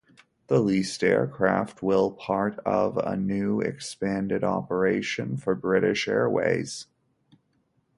The leased aircraft will part of a new expanded operation for British Airways.